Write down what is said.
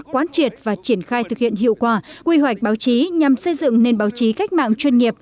quán triệt và triển khai thực hiện hiệu quả quy hoạch báo chí nhằm xây dựng nền báo chí cách mạng chuyên nghiệp